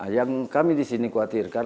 yang kami disini kuatirkan